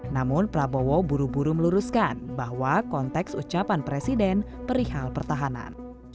namun prabowo buru buru meluruskan bahwa konteks ucapan presiden perihal pertahanan